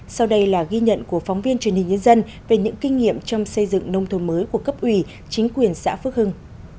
sau đây là ghi nhận của phóng viên truyền hình nhân dân về những kinh nghiệm trong xây dựng nông thôn mới của cấp ủy chính quyền xã phước hưng